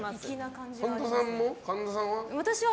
神田さんは？